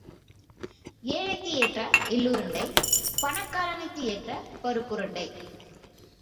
ஏழைக்கு ஏற்ற எள்ளுருண்டை பணக்காரனுக்கு ஏற்ற பருப்புருண்டை.